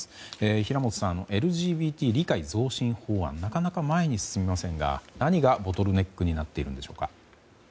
平元さん、ＬＧＢＴ理解増進法案なかなか前に進みませんが何がボトルネックになっているんでしょうか。